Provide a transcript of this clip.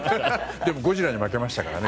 でも、ゴジラには負けましたからね。